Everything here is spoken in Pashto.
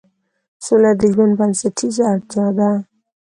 سوله د ژوند بنسټیزه اړتیا ده